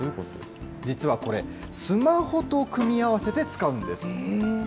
実はこれ、スマホと組み合わせて使うんです。